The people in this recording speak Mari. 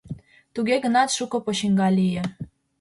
Туге гынат шуко почиҥга лие.